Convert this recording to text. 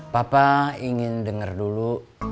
papa ingin denger dulu